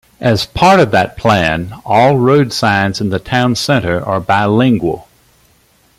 As part of that plan, all road signs in the town centre are bilingual.